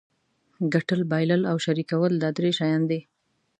ګټل بایلل او شریکول دا درې شیان دي.